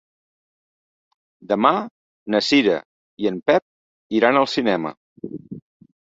Demà na Cira i en Pep iran al cinema.